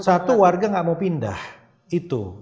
satu warga nggak mau pindah itu